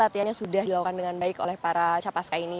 latihannya sudah dilakukan dengan baik oleh para capaska ini